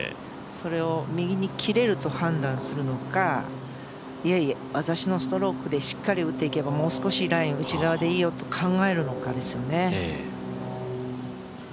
それを右に切れると判断するのか、いやいや、私のストロークでしっかり打っていけばもう少しライン内側でいいのかと考えるかですよね。